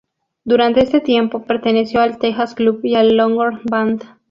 Durante este tiempo perteneció al Tejas Club y al Longhorn Band.